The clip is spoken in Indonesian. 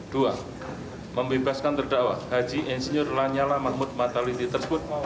dua membebaskan terdakwa haji insinyur lanyala mahmud mataliti tersebut